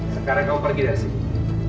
sekarang kau pergi dari sini